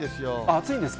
暑いんですか？